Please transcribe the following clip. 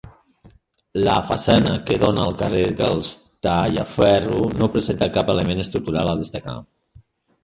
La façana que dóna al carrer dels Tallaferro no presenta cap element estructural a destacar.